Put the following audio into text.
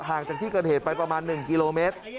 จากที่เกิดเหตุไปประมาณ๑กิโลเมตร